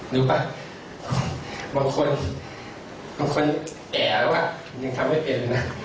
รู้ปะบางคนแก่แล้วยังทำไม่เป็นนะ